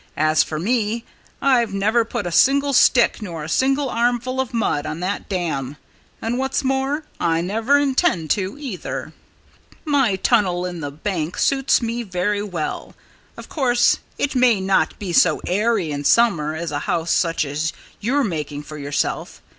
As for me, I've never put a single stick nor a single armful of mud on that dam; and what's more, I never intend to, either. "My tunnel in the bank suits me very well. Of course, it may not be so airy in summer as a house such as you're making for yourself.